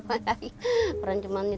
kemudian membeli perancuman